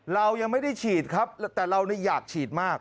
เรายังไม่ได้ฉีดครับแต่เราอยากฉีดมาก